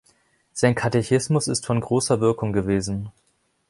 Sein Katechismus ist von großer Wirkung gewesen.